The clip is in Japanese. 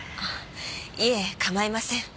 いえ構いません。